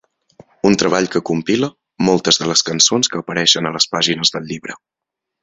Un treball que compila moltes de les cançons que apareixen a les pàgines del llibre.